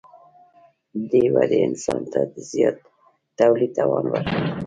دې ودې انسان ته د زیات تولید توان ورکړ.